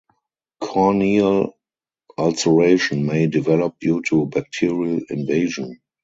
Corneal ulceration may develop due to bacterial invasion.